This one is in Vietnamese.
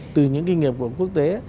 từ những kinh nghiệp của quốc tế